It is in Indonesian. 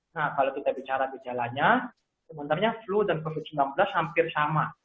nah kalau kita bicara gejalanya sebenarnya flu dan covid sembilan belas hampir sama